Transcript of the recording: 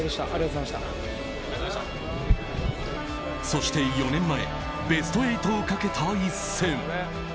そして４年前ベスト８をかけた一戦。